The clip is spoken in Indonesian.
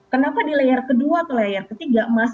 kenapa di layer kedua ke layer ketiga mas